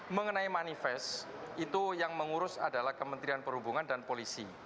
mengenai manifest itu yang mengurus adalah kementerian perhubungan dan polisi